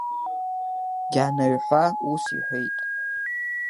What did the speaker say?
Гьанаҩхәа ус иҳәеит…